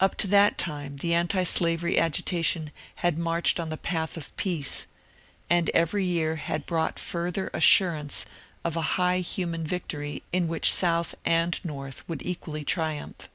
Up to that time the antislavery agitation had marched on the path of peace, and every year had brought further as surance of a high human victory in which South and North would equally triumph.